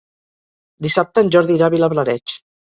Dissabte en Jordi irà a Vilablareix.